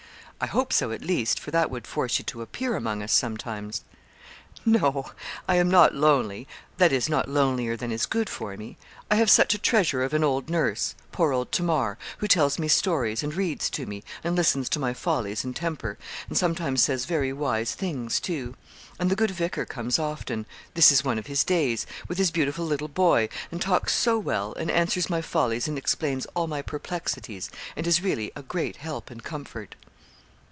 I hope so, at least, for that would force you to appear among us sometimes.' 'No, I am not lonely that is, not lonelier than is good for me. I have such a treasure of an old nurse poor old Tamar who tells me stories, and reads to me, and listens to my follies and temper, and sometimes says very wise things, too; and the good vicar comes often this is one of his days with his beautiful little boy, and talks so well, and answers my follies and explains all my perplexities, and is really a great help and comfort.'